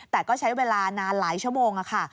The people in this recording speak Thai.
แต่ก็ใช้เวลานานหลายชั่วโมงค่ะ